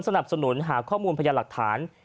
สนับสนุนหาข้อมูลพยาหลักฐาน